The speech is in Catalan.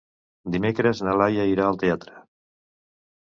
Dimecres na Laia irà al teatre.